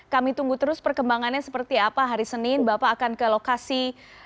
kami tunggu terus perkembangannya seperti apa hari senin bapak akan ke lokasi